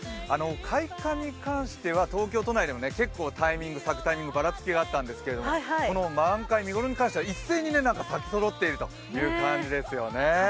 開花に関しては東京都内でも結構咲くタイミングにばらつきがあったんですけれども、満開、見頃に関しては一斉に咲きそろっているという感じですよね。